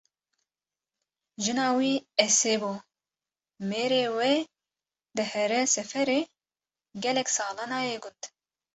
Jina wî Esê bû, mêrê wê dihere seferê gelek sala nayê gund